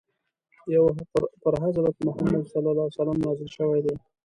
پر حضرت محمد ﷺ نازل شوی دی.